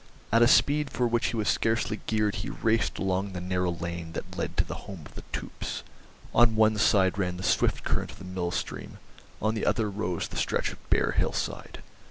At a speed for which he was scarcely geared he raced along the narrow lane that led to the home of the Toops. On one side ran the swift current of the mill stream, on the other rose the stretch of bare hillside.